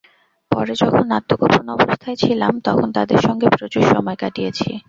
পরে যখন আত্মগোপন অবস্থায় ছিলাম, তখন তাঁদের সঙ্গে প্রচুর সময় কাটিয়েছি।